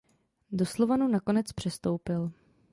Do Slovanu nakonec přestoupil.